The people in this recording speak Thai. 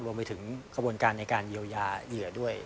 รวมไปถึงขบวนการในการเยียวยาเหยื่อด้วย